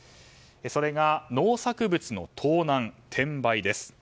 それが農作物の盗難、転売です。